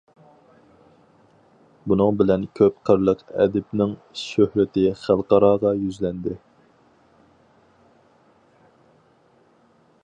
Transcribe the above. بۇنىڭ بىلەن كۆپ قىرلىق ئەدىبنىڭ شۆھرىتى خەلقئاراغا يۈزلەندى.